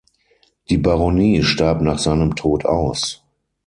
Die Baronie starb nach seinem Tod aus.